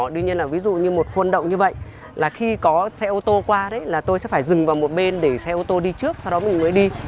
tuy nhiên là ví dụ như một khuôn động như vậy là khi có xe ô tô qua đấy là tôi sẽ phải dừng vào một bên để xe ô tô đi trước sau đó mình mới đi